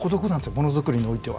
物づくりにおいては。